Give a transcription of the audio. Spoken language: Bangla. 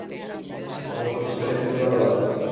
কোনো উপদেশ পেলে খুবই ভালো লাগত।